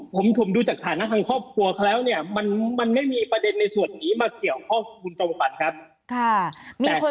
ผมดูจากฐานะทางครอบครัวเขาแล้วเนี่ยมันไม่มีประเด็นในส่วนนี้มาเกี่ยวข้องคุณจอมฝันครับ